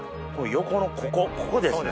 横のここここですね。